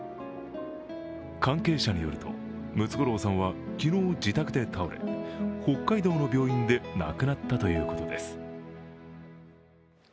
関係者によると、ムツゴロウさんは昨日、自宅で倒れ北海道の病院で亡くなったということです。